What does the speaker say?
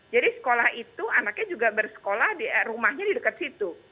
jadi sekolah itu anaknya juga bersekolah rumahnya di dekat situ